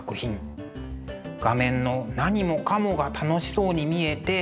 画面の何もかもが楽しそうに見えて